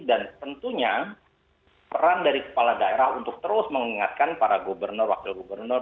dan tentunya peran dari kepala daerah untuk terus mengingatkan para gubernur wakil gubernur